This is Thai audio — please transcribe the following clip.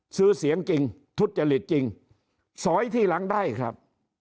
ซื้อเสียงจริงทุจริตจริงสอยทีหลังได้ครับ